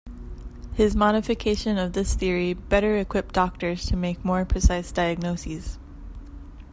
His modification of this theory better equipped doctors to make more precise diagnoses.